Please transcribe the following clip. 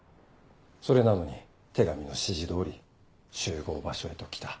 それなのに手紙の指示通り集合場所へと来た。